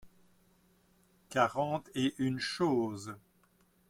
quarante et une choses.